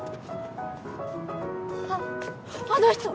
あっあの人！